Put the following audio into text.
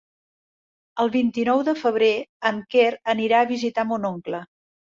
El vint-i-nou de febrer en Quer anirà a visitar mon oncle.